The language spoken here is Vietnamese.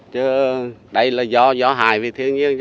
chứ đây là do hài vì thiên nhiên